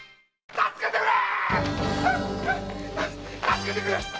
助けてくれ！